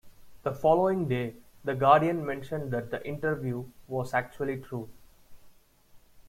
The following day "The Guardian" mentioned that the interview was actually true.